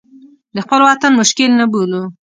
د خپل وطن مشکل نه بولو.